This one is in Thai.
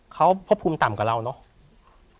เค้าพบภูมิสูงสำเร็จกว่าเราเนอะ